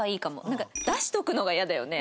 なんか出しておくのが嫌だよね